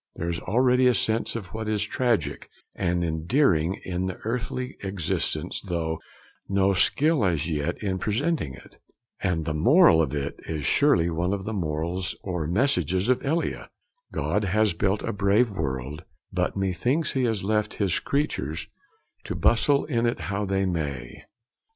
There is already a sense of what is tragic and endearing in earthly existence, though no skill as yet in presenting it; and the moral of it is surely one of the morals or messages of Elia: 'God has built a brave world, but methinks he has left his creatures to bustle in it how they may.'